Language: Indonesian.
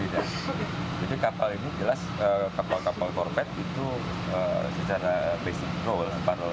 jadi kapal ini jelas kapal kapal korpet itu secara basic role